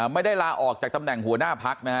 ไม่ได้ลาออกจากภาษาหน้าภักร์